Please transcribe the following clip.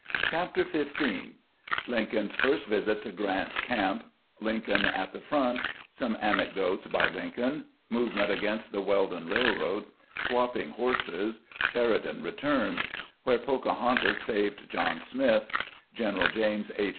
CHAPTER XV LIKCOLN'S first visit to grant's camp — LINCOLN AT THE FRONT — SOME ANECDOTES BY LINCOLN — MOVEMENT AGAINST THE WELDON RAILROAD — SWAPPING HORSES — SHERIDAN RETURNS — WHERE POCAHONTAS SAVED JOHN SMITH — GENERAL JAMES H.